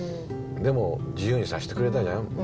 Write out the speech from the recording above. でも自由にさせてくれたじゃん？